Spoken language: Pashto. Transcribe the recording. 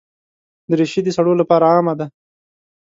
دریشي د سړو لپاره عامه ده.